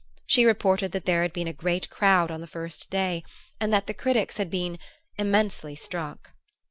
She reported that there had been a great crowd on the first day, and that the critics had been "immensely struck."